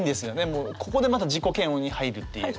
もうここでまた自己嫌悪に入るっていう。